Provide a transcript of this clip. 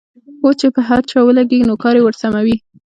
او چې پر هر چا ولګېږي نو کار يې ورسموي.